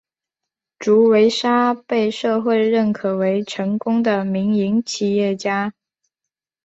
祝维沙被社会认可为成功的民营企业家。